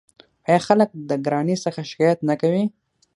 آیا خلک د ګرانۍ څخه شکایت نه کوي؟